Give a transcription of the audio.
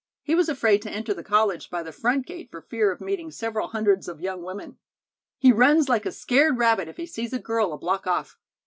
He was afraid to enter the college by the front gate for fear of meeting several hundreds of young women. He runs like a scared rabbit if he sees a girl a block off."